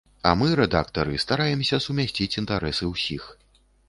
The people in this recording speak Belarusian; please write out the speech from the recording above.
А мы, рэдактары, стараемся сумясціць інтарэсы ўсіх.